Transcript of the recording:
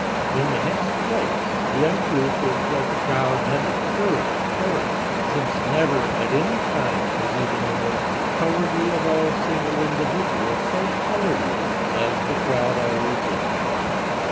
In the next place, the untruth is that the crowd had "the courage" for it, since never at any time was even the most cowardly of all single individuals so cowardly, as the crowd always is.